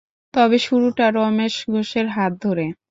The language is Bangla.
তবে শুরুটা রমেশ ঘোষের হাত ধরে।